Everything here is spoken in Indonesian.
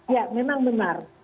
ya memang benar